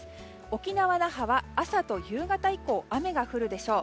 沖縄・那覇は朝と夕方以降雨が降るでしょう。